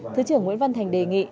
thứ trưởng nguyễn văn thành đề nghị